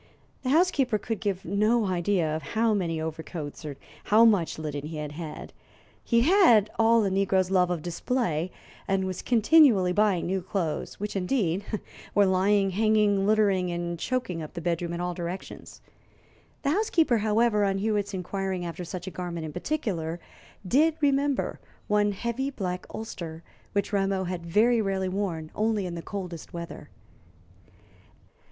The housekeeper could give no idea of how many overcoats or how much linen he had had. He had all a negro's love of display, and was continually buying new clothes, which, indeed, were lying, hanging, littering, and choking up the bedroom in all directions. The housekeeper, however, on Hewitt's inquiring after such a garment in particular, did remember one heavy black ulster, which Rameau had very rarely worn only in the coldest weather.